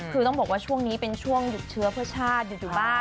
คือต้องบอกว่าช่วงนี้เป็นช่วงหยุดเชื้อเพื่อชาติหยุดอยู่บ้าน